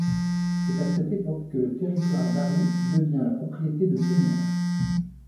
C'est à cette époque que le territoire d'Arrou devient la propriété de seigneurs.